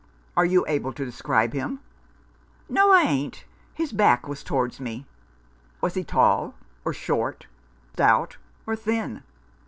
" Are you able to describe him ?" "No, I ain't. His back was towards me." " Was he tall or short, stout or thin